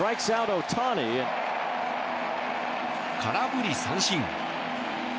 空振り三振。